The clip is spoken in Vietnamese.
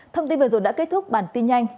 thông tin bây giờ đã kết thúc bản tin nhanh